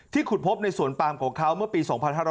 ขุดพบในสวนปามของเขาเมื่อปี๒๕๕๙